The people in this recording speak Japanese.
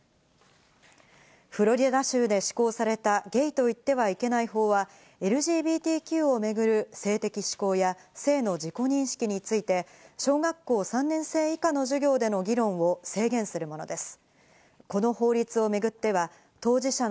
フロリダ州で施行された、ゲイと言ってはいけない法は、ＬＧＢＴＱを巡る性的志向や、性の自己認識について、小学校３年生以下の授業での議論を制限するものです。